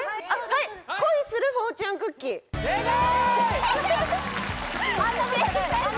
はい「恋するフォーチュンクッキー」正解！